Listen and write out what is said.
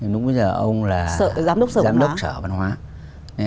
lúc bây giờ ông là giám đốc sở văn hóa